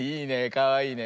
かわいいね。